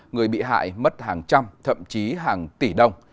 người bị hại mất hàng trăm thậm chí hàng tỷ đồng